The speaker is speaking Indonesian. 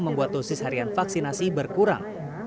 membuat dosis harian vaksinasi berkurang